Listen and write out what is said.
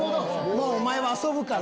もうお前は遊ぶから。